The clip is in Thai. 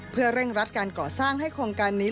เพื่อเร่งรัดการก่อสร้างให้โครงการนี้